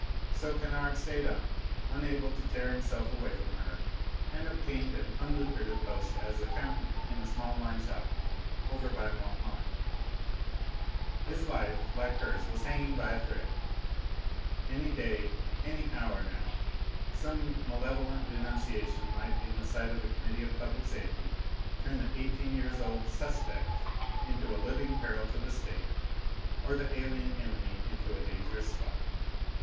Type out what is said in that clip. So Kennard stayed on, unable to tear himself away from her, and obtained an unlucrative post as accountant in a small wine shop over by Montmartre. His life, like hers, was hanging by a thread; any day, any hour now, some malevolent denunciation might, in the sight of the Committee of Public Safety, turn the eighteen years old "suspect" into a living peril to the State, or the alien enemy into a dangerous spy.